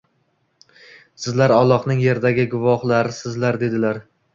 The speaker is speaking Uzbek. Sizlar Allohning yerdagi guvohlarisizlar”, dedilar